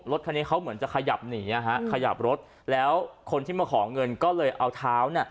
รถคันนี้เขาเหมือนจะขยับหนีขยับรถแล้วคนที่มาขอเงินก็เลยเอาเท้าน่ะ